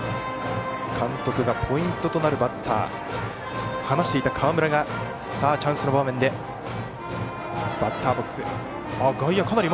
監督がポイントとなるバッターと話していた河村がチャンスの場面でバッターボックス。